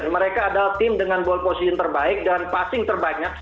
mereka adalah tim dengan posisi terbaik dan passing terbanyak